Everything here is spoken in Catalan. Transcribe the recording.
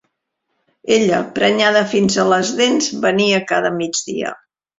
Ella, prenyada fins a les dents, venia cada migdia.